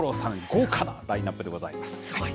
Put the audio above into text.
豪華なラインナップでございます。